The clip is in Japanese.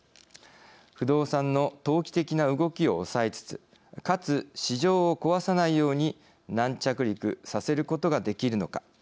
不動産の投機的な動きを抑えつつかつ市場を壊さないように軟着陸させることができるのか。